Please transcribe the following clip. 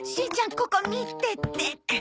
ここ見てて。